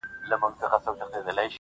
تل یې فکر د کالیو د سیالۍ وو -